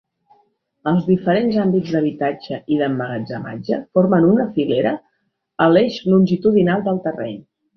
Els diferents àmbits d'habitatge i d'emmagatzematge formen una filera a l'eix longitudinal del terreny.